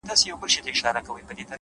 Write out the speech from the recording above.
علم د پرمختګ اصلي محرک دی’